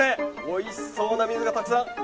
おいしそうな蜜がたくさん！